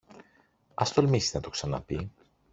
Ας τολμήσει να το ξαναπεί